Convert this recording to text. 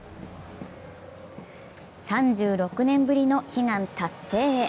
３６年ぶりの悲願達成へ。